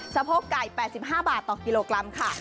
สะโพกไก่แปดสิบห้าบาทต่อกิโลกรัมค่ะ